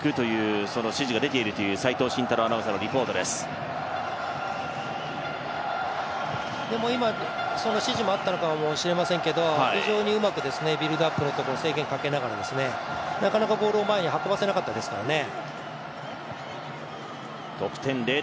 今、その指示があったのかもしれませんけど非常にうまくビルドアップのところで制限をかけながらなかなかボールを前に運ばせなかったですからね